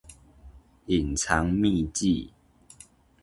隱藏秘技